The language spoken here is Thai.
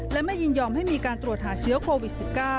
และไม่ยินยอมให้มีการตรวจหาเชื้อโควิด๑๙